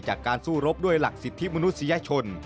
จากการสู้รบด้วยหลักสิทธิมนุษยชน